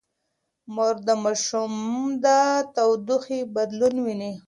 مور د ماشوم د تودوخې بدلون ويني.